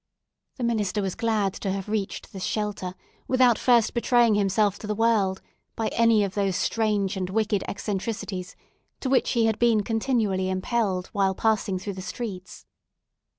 The minister was glad to have reached this shelter, without first betraying himself to the world by any of those strange and wicked eccentricities to which he had been continually impelled while passing through the streets.